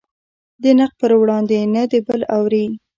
د نقد پر وړاندې نه د بل اوري.